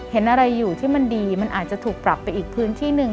เห็นอะไรอยู่ที่มันดีมันอาจจะถูกปรับไปอีกพื้นที่หนึ่ง